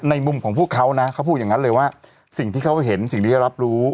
มุมของพวกเขานะเขาพูดอย่างนั้นเลยว่าสิ่งที่เขาเห็นสิ่งที่ได้รับรู้